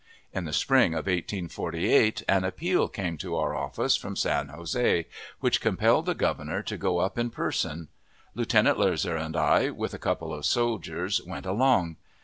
In the spring of 1848 an appeal came to our office from San Jose, which compelled the Governor to go up in person. Lieutenant Loeser and I, with a couple of soldiers, went along.